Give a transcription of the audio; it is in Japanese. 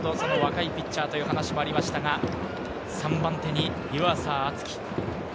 先ほど若いピッチャーという話もありましたが、３番手に湯浅京己。